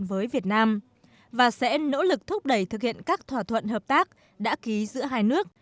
với việt nam và sẽ nỗ lực thúc đẩy thực hiện các thỏa thuận hợp tác đã ký giữa hai nước